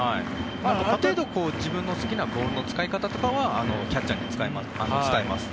ある程度自分の好きなボールの使い方とかはキャッチャーに伝えます。